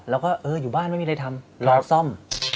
แล้วก็อยู่บ้านไม่มีอะไรทำลองซ่อม